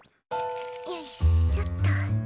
よいしょっと。